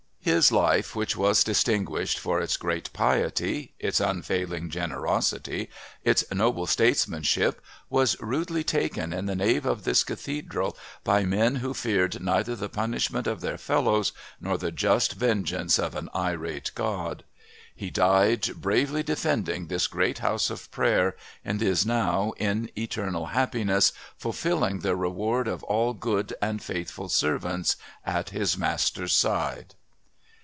His life, which was distinguished for its great piety, its unfailing generosity, its noble statesmanship, was rudely taken in the nave of this Cathedral by men who feared neither the punishment of their fellows nor the just vengeance of an irate God. "'He died, bravely defending this great house of Prayer, and is now, in eternal happiness, fulfilling the reward of all good and faithful servants, at his Master's side.'"